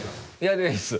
嫌です。